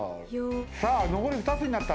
さあ残り２つになった。